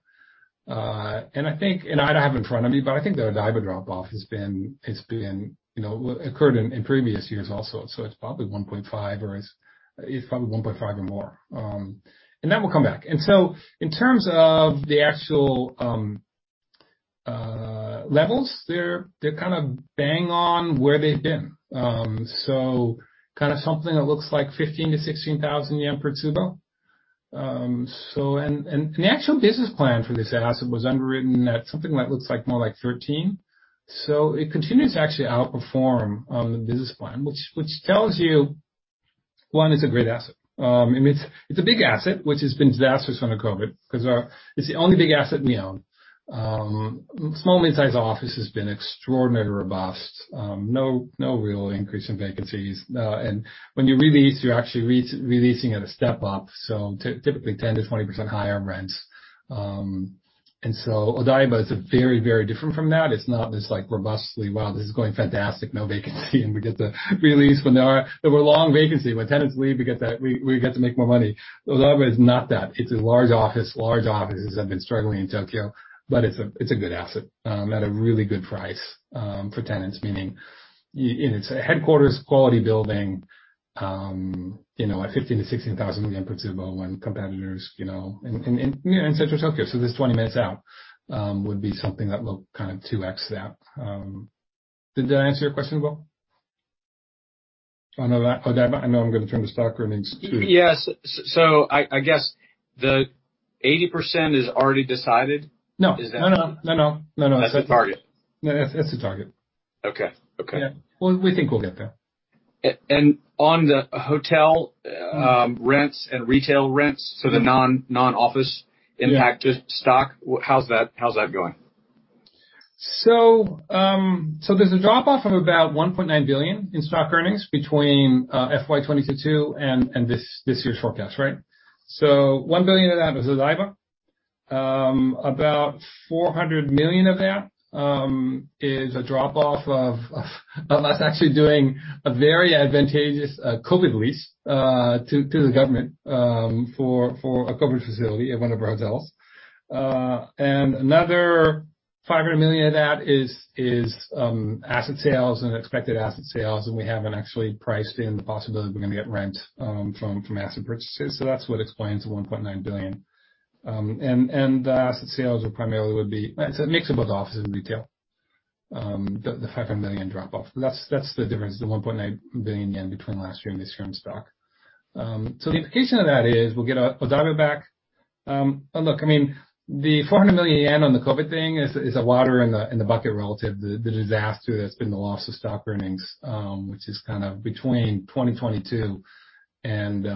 I think I don't have it in front of me, but I think the Odaiba drop-off has been, it's been, you know, occurred in previous years also. It's probably 1.5, or it's probably 1.5 or more. That will come back. In terms of the actual levels, they're kind of bang on where they've been. Kind of something that looks like 15,000-16,000 yen per tsubo. The actual business plan for this asset was underwritten at something like looks like more like 13. It continues to actually outperform on the business plan, which tells you, one, it's a great asset. It's a big asset, which has been disastrous under COVID because it's the only big asset we own. Small- and mid-sized office has been extraordinarily robust. No real increase in vacancies. When you re-lease, you're actually re-leasing at a step-up, so typically 10%-20% higher on rents. Odaiba is very different from that. It's not this like robustly, wow, this is going fantastic, no vacancy, and we get to re-lease when there are. There were long vacancy. When tenants leave, we get to make more money. Odaiba is not that. It's a large office. Large offices have been struggling in Tokyo, but it's a good asset at a really good price for tenants, meaning it's a headquarters quality building. You know, at 15,000-16,000 per tsubo when competitors, you know, in Central Tokyo, so just 20 minutes out, would be something that will kind of 2x that. Did that answer your question, Will? I know I'm gonna turn the stock earnings to- Yes. I guess the 80% is already decided. No. Is that? No, no. That's the target. No, that's the target. Okay. Okay. Yeah. Well, we think we'll get there. On the hotel, rents and retail rents. The non-office impacted stock. Yeah. How's that? How's that going? There's a drop-off of about 1.9 billion in stock earnings between FY 2022 and this year's forecast, right? 1 billion of that is Odaiba. About 400 million of that is a drop-off of us actually doing a very advantageous COVID lease to the government for a COVID facility at one of our hotels. Another 500 million of that is asset sales and expected asset sales, and we haven't actually priced in the possibility we're gonna get rent from asset purchases. That's what explains the 1.9 billion. The asset sales are primarily a mix of both offices and retail, the 500 million drop-off. That's the difference, the 1.9 billion yen between last year and this year in hotel. So the implication of that is we'll get Odaiba back. Look, I mean, the 400 million yen on the COVID thing is a drop in the bucket relative to the disaster that's been the loss of hotel earnings, which is kind of between 2022 and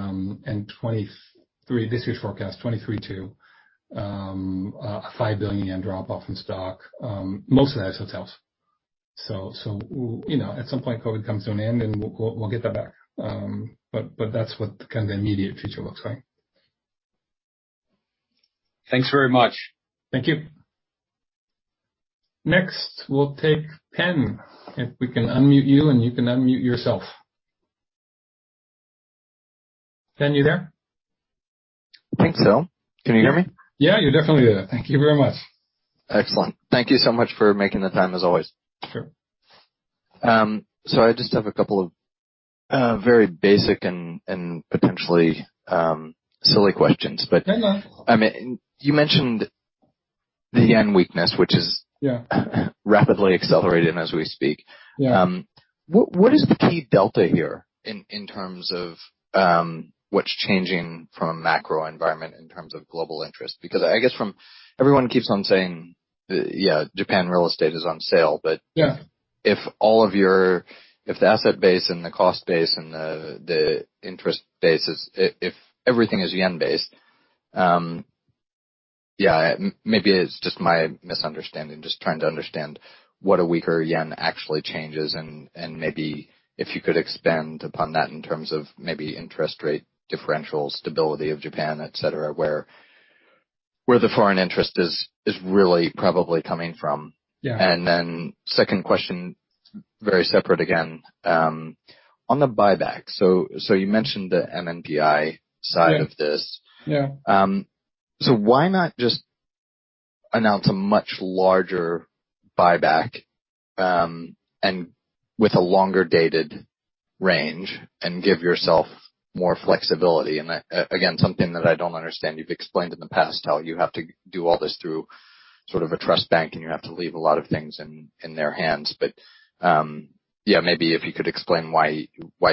2023. This year's forecast, 2023 to a 5 billion yen drop-off in hotel. Most of that is hotels. You know, at some point, COVID comes to an end, and we'll get that back. But that's what kind of the immediate future looks like. Thanks very much. Thank you. Next, we'll take Penn, if we can unmute you and you can unmute yourself. Penn, you there? I think so. Can you hear me? Yeah, you're definitely there. Thank you very much. Excellent. Thank you so much for making the time, as always. Sure. I just have a couple of very basic and potentially silly questions, but. No, no. I mean, you mentioned the yen weakness, which is. Yeah. Rapidly accelerating as we speak. Yeah. What is the key delta here in terms of what's changing from a macro environment in terms of global interest? Because I guess everyone keeps on saying Japanese real estate is on sale, but Yeah. If the asset base and the cost base and the interest base is yen-based, maybe it's just my misunderstanding. I'm just trying to understand what a weaker yen actually changes, and maybe if you could expand upon that in terms of interest rate differential, stability of Japan, etc., where the foreign interest is really probably coming from. Yeah. Second question, very separate again, on the buyback. So you mentioned the MNPI side of this. Yeah. Why not just announce a much larger buyback, and with a longer dated range and give yourself more flexibility? Again, something that I don't understand, you've explained in the past how you have to do all this through sort of a trust bank, and you have to leave a lot of things in their hands. Yeah, maybe if you could explain why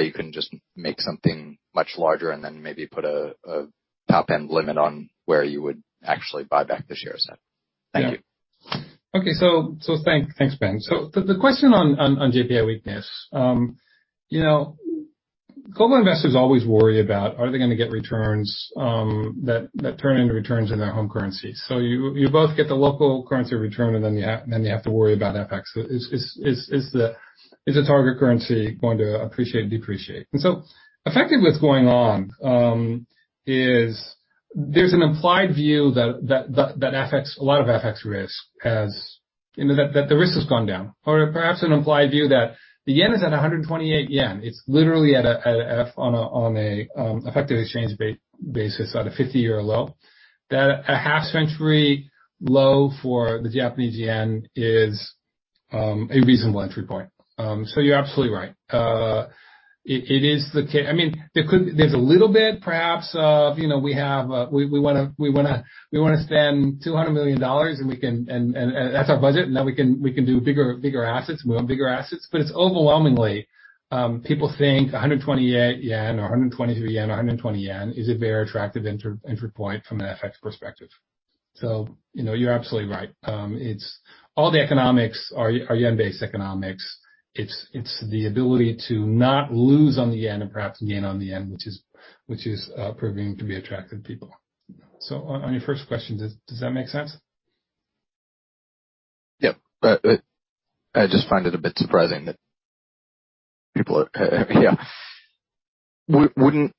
you couldn't just make something much larger and then maybe put a top-end limit on where you would actually buy back the shares at. Thank you. Yeah. Okay, thanks, Penn. The question on JPY weakness, global investors always worry about are they gonna get returns that turn into returns in their home currency. You both get the local currency return and then you have to worry about FX. Is the target currency going to appreciate, depreciate? Effectively what's going on is there's an implied view that FX risk, you know, the risk has gone down or perhaps an implied view that the yen is at 128 yen. It's literally on an effective exchange basis at a 50-year low, a half-century low for the Japanese yen is a reasonable entry point. So you're absolutely right. It is the case. I mean, there could be a little bit perhaps of, you know, we wanna spend $200 million, and that's our budget. Now we can do bigger assets, move bigger assets. It's overwhelmingly people think 128 yen or 123 yen or 120 yen is a very attractive entry point from an FX perspective. You know, you're absolutely right. It's all the economics are yen-based economics. It's the ability to not lose on the yen and perhaps gain on the yen, which is proving to be attractive to people. On your first question, does that make sense? Yep. I just find it a bit surprising that people are, yeah. Wouldn't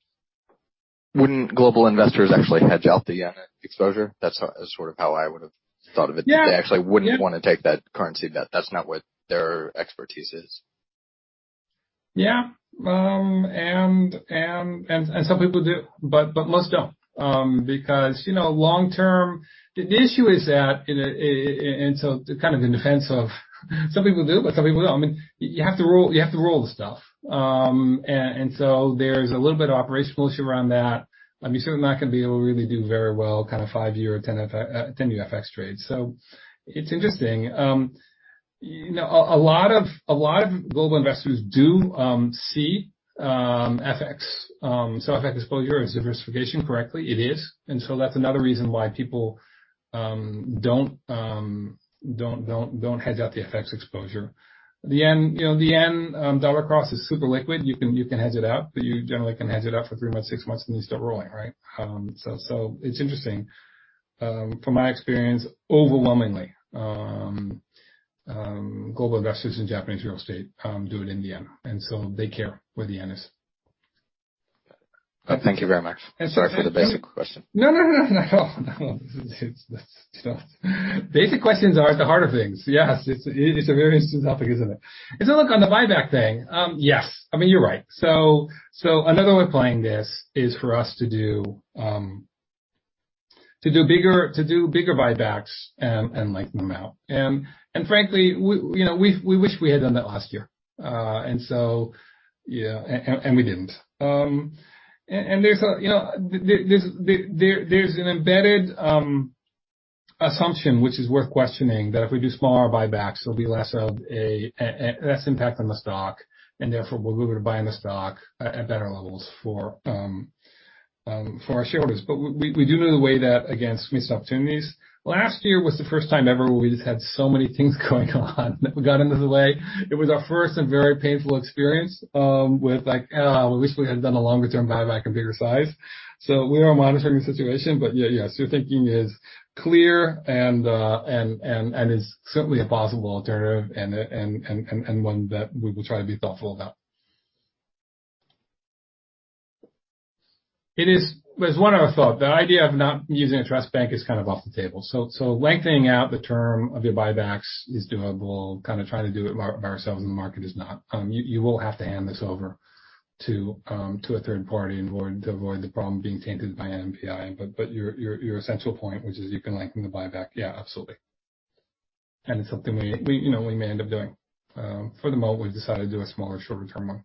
global investors actually hedge out the yen exposure? That's sort of how I would've thought of it. Yeah. They actually wouldn't wanna take that currency bet. That's not what their expertise is. Yeah. Some people do, but most don't, because you know long term the issue is that in a sense, so kind of in defense of some people do, but some people don't. I mean, you have to roll the stuff. There's a little bit of operational issue around that. I mean, certainly not gonna be able to really do very well kinda five-year or 10-year FX trades. It's interesting. You know, a lot of global investors do see FX, so FX exposure as diversification correctly. It is. That's another reason why people don't hedge out the FX exposure. The yen, you know, yen-dollar cross is super liquid. You can hedge it out, but you generally can hedge it out for three months, six months, and then you start rolling, right? So it's interesting. From my experience, overwhelmingly, global investors in Japanese real estate do it in yen, and so they care where the yen is. Thank you very much. And so- Sorry for the basic question. No, no, not at all. No. Basic questions are the harder things. Yes. It is a very interesting topic, isn't it? Look, on the buyback thing, yes. I mean, you're right. Another way of playing this is for us to do bigger buybacks and lengthen them out. Frankly, you know, we wish we had done that last year. Yeah, we didn't. There's, you know, an embedded assumption which is worth questioning, that if we do smaller buybacks, there'll be less of an impact on the stock, and therefore we'll be able to buy in the stock at better levels for our shareholders. We do know the way that, again, it's missed opportunities. Last year was the first time ever where we just had so many things going on that we got in the way. It was our first and very painful experience with like we wish we had done a longer term buyback and bigger size. We are monitoring the situation. Yeah, yes, your thinking is clear and is certainly a possible alternative and one that we will try to be thoughtful about. It is one other thought. The idea of not using a trust bank is kind of off the table. Lengthening out the term of your buybacks is doable. Kinda trying to do it by ourselves in the market is not. You will have to hand this over to a third party and avoid the problem being tainted by NPI. Your essential point, which is you can lengthen the buyback, yeah, absolutely. It's something we, you know, may end up doing. For the moment, we've decided to do a smaller shorter term one.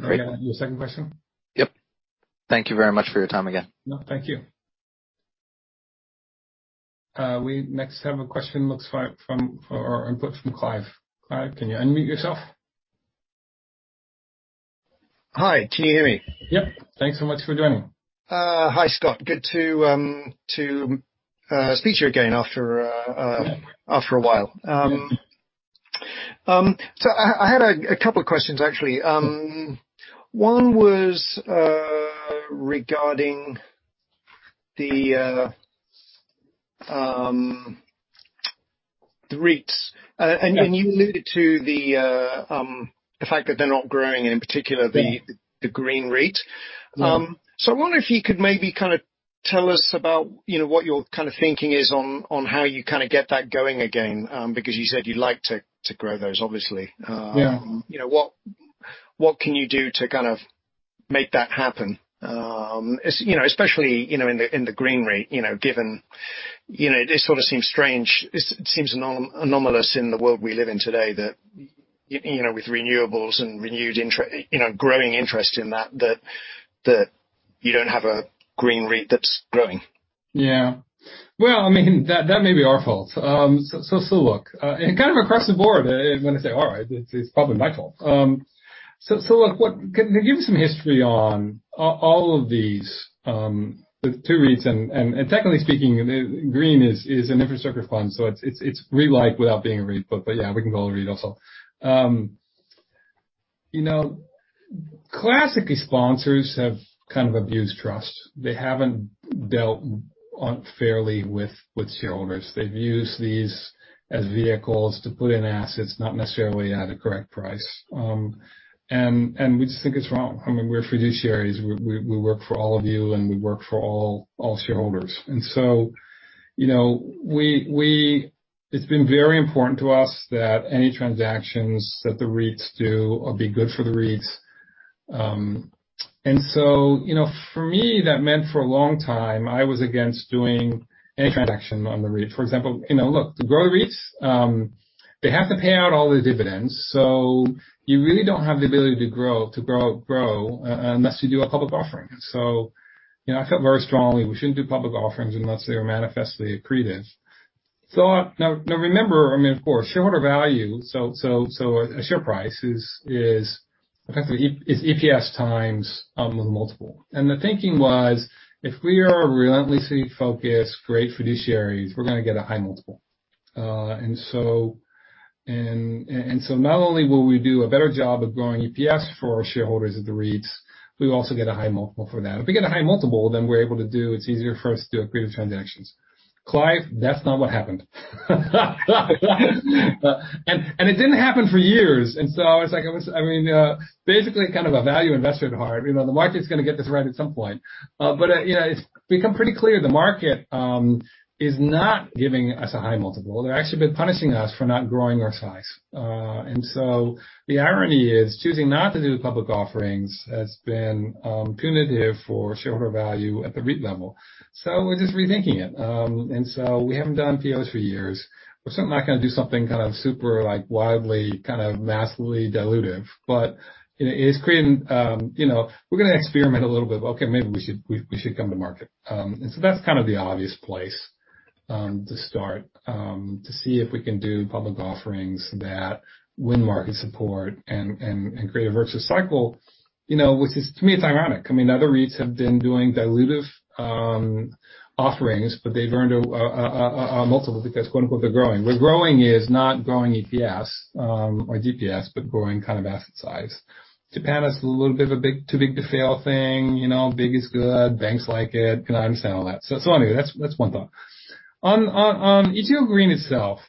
Great. Your second question? Yep. Thank you very much for your time again. No, thank you. We next have a question, looks like from or input from Clive. Clive, can you unmute yourself? Hi, can you hear me? Yep. Thanks so much for joining. Hi, Scott. Good to speak to you again after a while. I had a couple of questions, actually. One was regarding the REITs. Yeah. You alluded to the fact that they're not growing, and in particular. Yeah. the green REIT. Yeah. I wonder if you could maybe kinda tell us about, you know, what your kind of thinking is on how you kinda get that going again, because you said you'd like to grow those, obviously. Yeah. You know what can you do to kind of make that happen? You know, especially, you know, in the green REIT, you know, given, you know, it sort of seems strange, it seems anomalous in the world we live in today that, you know, with renewables and you know, growing interest in that you don't have a green REIT that's growing. Yeah. Well, I mean, that may be our fault. Look, kind of across the board, when I say our, it's probably my fault. Look, to give you some history on all of these, the two REITs, and technically speaking, the Green is an infrastructure fund, so it's REIT-like without being a REIT. Yeah, we can call it a REIT also. You know, classically, sponsors have kind of abused trust. They have dealt unfairly with shareholders. They've used these as vehicles to put in assets, not necessarily at a correct price. We just think it's wrong. I mean, we're fiduciaries. We work for all of you, and we work for all shareholders. You know, it's been very important to us that any transactions that the REITs do will be good for the REITs. You know, for me, that meant for a long time, I was against doing any transaction on the REIT. For example, you know, look, to grow REITs, they have to pay out all the dividends, so you really don't have the ability to grow unless you do a public offering. You know, I felt very strongly we shouldn't do public offerings unless they were manifestly accretive. Now, remember, I mean, of course, shareholder value, so a share price is effectively EPS times with a multiple. The thinking was, if we are relentlessly focused, great fiduciaries, we're gonna get a high multiple. Not only will we do a better job of growing EPS for our shareholders at the REITs, we also get a high multiple for that. If we get a high multiple, it's easier for us to do accretive transactions. Clive, that's not what happened. It didn't happen for years. It's like, I mean, basically kind of a value investor at heart. You know, the market's gonna get this right at some point. You know, it's become pretty clear the market is not giving us a high multiple. They've actually been punishing us for not growing our size. The irony is choosing not to do public offerings has been punitive for shareholder value at the REIT level. We're just rethinking it. We haven't done the other three years. We're certainly not gonna do something kind of super, like, wildly, kind of massively dilutive, but, you know, it's creating, you know, we're gonna experiment a little bit. Okay, maybe we should come to market. That's kind of the obvious place to start to see if we can do public offerings that win market support and create a virtuous cycle. You know, which is, to me, it's ironic. I mean, other REITs have been doing dilutive offerings, but they've earned a multiple because quote-unquote, "they're growing." Where growing is not growing EPS or DPS, but growing kind of asset size. Japan is a little bit of a big, too big to fail thing. You know, big is good. Banks like it. I understand all that. Anyway, that's one thought. On Ichigo Green itself,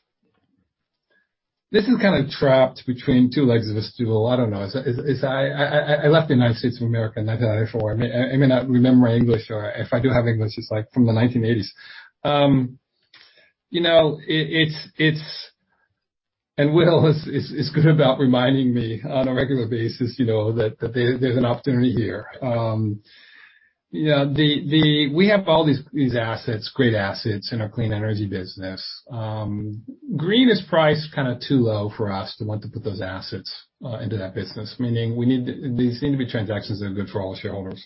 this is kinda trapped between two legs of a stool. I don't know. I left the United States of America in 1984. I may not remember my English or if I do have English, it's like from the 1980s. You know, it's. Will is good about reminding me on a regular basis, you know, that there's an opportunity here. You know, we have all these assets, great assets in our Clean Energy business. Green is priced kinda too low for us to want to put those assets into that business. Meaning these need to be transactions that are good for all shareholders.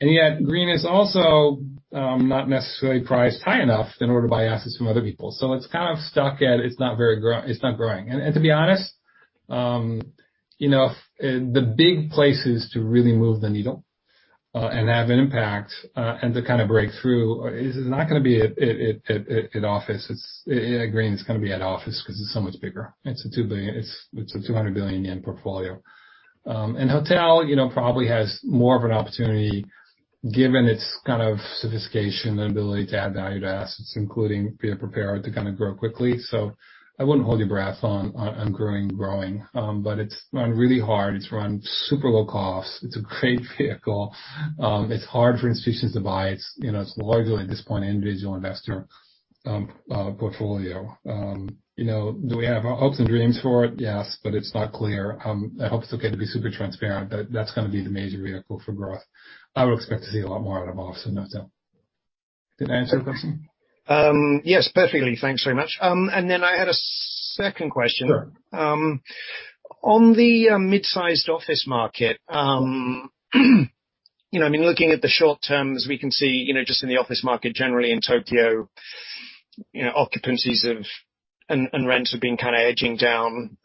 Yet Green is also not necessarily priced high enough in order to buy assets from other people. So it's kind of stuck. It's not growing. To be honest, you know, the big places to really move the needle and have an impact and to kinda break through is not gonna be at office. It's at Green. It's gonna be at office 'cause it's so much bigger. It's a 200 billion yen portfolio. Hotel, you know, probably has more of an opportunity given its kind of sophistication and ability to add value to assets, including being prepared to kinda grow quickly. I wouldn't hold your breath on growing. It's run really hard. It's run super low costs. It's a great vehicle. It's hard for institutions to buy. It's, you know, it's largely at this point, an individual investor portfolio. You know, do we have our hopes and dreams for it? Yes, but it's not clear. I hope it's okay to be super transparent. That's gonna be the major vehicle for growth. I would expect to see a lot more out of office and hotel. Did I answer your question? Yes, perfectly. Thanks very much. I had a second question. Sure. On the mid-sized office market, you know, I mean, looking at the short term, as we can see, you know, just in the office market, generally in Tokyo, you know, occupancies of. Rents have been kinda edging down.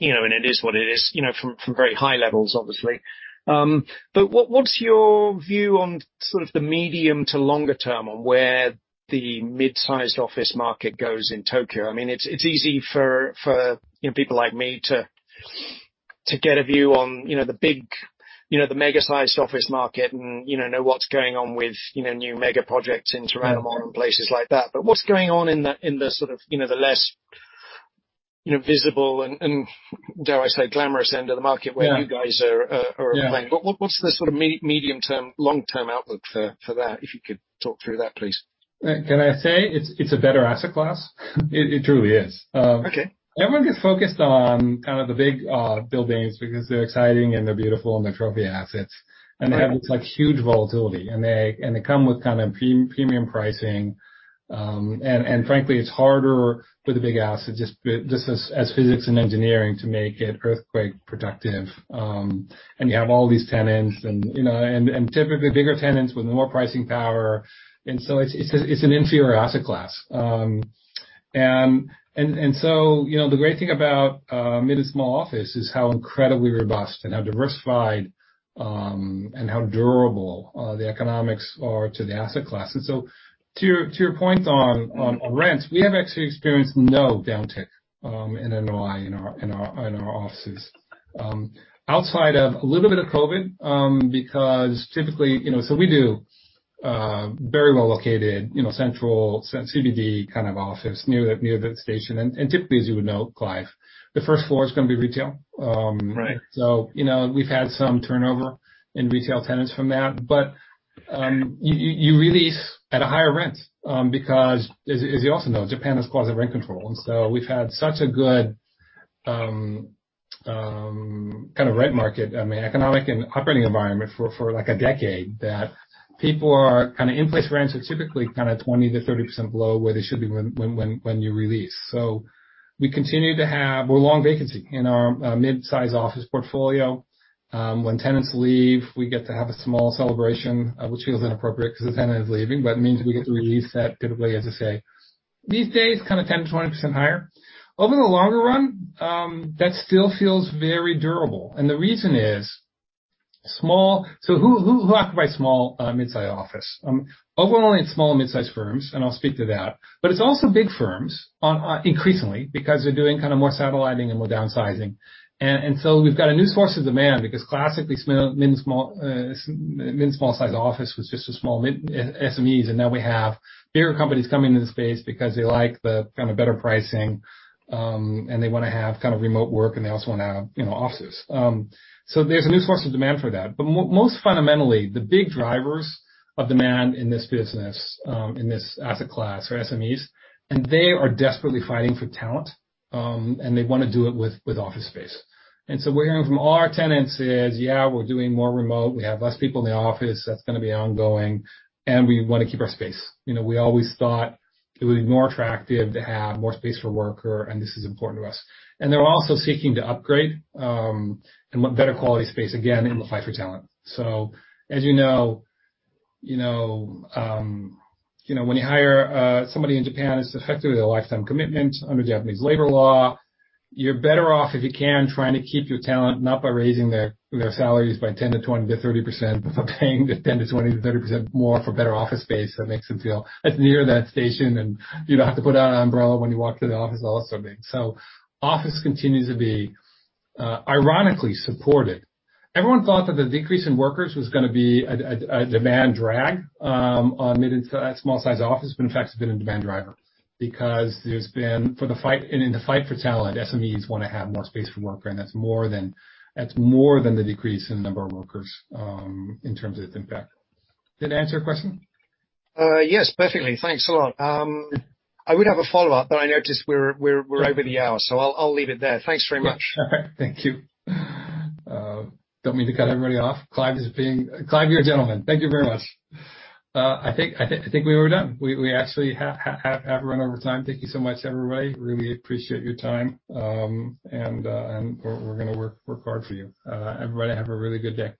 You know, and it is what it is, you know, from very high levels, obviously. But what's your view on sort of the medium to longer term on where the mid-sized office market goes in Tokyo? I mean, it's easy for, you know, people like me to get a view on, you know, the big, you know, the mega-sized office market and, you know what's going on with, you know, new mega projects in Toranomon and places like that. What's going on in the sort of, you know, the less, you know, visible and dare I say, glamorous end of the market. Yeah. where you guys are operating. Yeah. What's the sort of medium-term, long-term outlook for that, if you could talk through that, please? Can I say it's a better asset class? It truly is. Okay. Everyone gets focused on kind of the big, buildings because they're exciting and they're beautiful and they're trophy assets. Right. They have this, like, huge volatility, and they come with kind of premium pricing. Frankly, it's harder for the big assets, just as physics and engineering to make it earthquake-proof. You have all these tenants and, you know, typically bigger tenants with more pricing power. It's an inferior asset class. The great thing about mid and small office is how incredibly robust and how diversified and how durable the economics are to the asset class. To your point on rents, we have actually experienced no downtick in NOI in our offices. Outside of a little bit of COVID, because typically, you know... We do very well located, you know, central CBD kind of office near the station. Typically, as you would know, Clive, the first floor is gonna be retail. Right. You know, we've had some turnover in retail tenants from that, but you re-lease at a higher rent, because as you also know, Japan has quasi rent control. We've had such a good kind of rent market, I mean, economic and operating environment for like a decade, that in-place rents are typically 20%-30% below where they should be when you release. We continue to have. We're long vacancy in our mid-sized office portfolio. When tenants leave, we get to have a small celebration, which feels inappropriate 'cause the tenant is leaving, but it means we get to re-lease that typically, as I say, these days, kinda 10%-20% higher. Over the longer run, that still feels very durable. The reason is small. Who occupy small mid-sized office? Overall it's small mid-sized firms, and I'll speak to that. It's also big firms in increasingly because they're doing kinda more satelliting and more downsizing. So we've got a new source of demand because classically small mid and small size office was just small mid SMEs, and now we have bigger companies coming into the space because they like the kinda better pricing, and they wanna have kind of remote work, and they also wanna have, you know, offices. There's a new source of demand for that. Most fundamentally, the big drivers of demand in this business, in this asset class are SMEs, and they are desperately fighting for talent, and they wanna do it with office space. What we're hearing from all our tenants is, "Yeah, we're doing more remote. We have less people in the office. That's gonna be ongoing, and we wanna keep our space. You know, we always thought it would be more attractive to have more space for worker, and this is important to us." They're also seeking to upgrade, and want better quality space, again, in the fight for talent. As you know, when you hire somebody in Japan, it's effectively a lifetime commitment. Under Japanese labor law, you're better off, if you can, trying to keep your talent, not by raising their salaries by 10%-30%, but by paying 10%-30% more for better office space that makes them feel it's near that station and you don't have to put out an umbrella when you walk to the office, all those sort of things. Office continues to be, ironically supported. Everyone thought that the decrease in workers was gonna be a demand drag on mid- and small-size office, but in fact it's been a demand driver because there's been in the fight for talent, SMEs wanna have more space for worker, and that's more than the decrease in the number of workers in terms of its impact. Did that answer your question? Yes, perfectly. Thanks a lot. I would have a follow-up, but I noticed we're over the hour, so I'll leave it there. Thanks very much. Yeah. Thank you. Don't mean to cut everybody off. Clive, you're a gentleman. Thank you very much. I think we are done. We actually have run over time. Thank you so much, everybody. Really appreciate your time. And we're gonna work hard for you. Everybody have a really good day.